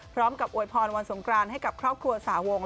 พร้อมกับอวยพรวรรษงกราณให้กับครอบครัวสาวงค์